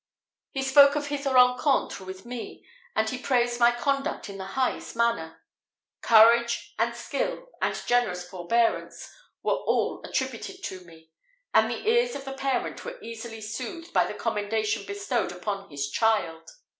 He spoke of his rencontre with me, and he praised my conduct in the highest manner. Courage, and skill, and generous forbearance, were all attributed to me; and the ears of the parent were easily soothed by the commendation bestowed upon his child.